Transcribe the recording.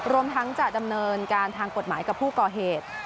รวมทั้งจะดำเนินการทางกฎหมายกับผู้ก่อเหตุ